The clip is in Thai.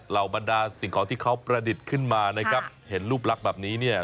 บรรดาสิ่งของที่เขาประดิษฐ์ขึ้นมานะครับเห็นรูปลักษณ์แบบนี้เนี่ย